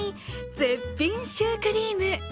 絶品シュークリーム。